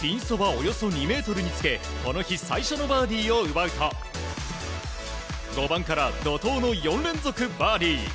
およそ２ｍにつけこの日最初のバーディーを奪うと５番から怒涛の４連続バーディー。